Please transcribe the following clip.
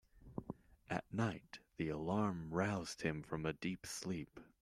At night the alarm roused him from a deep sleep.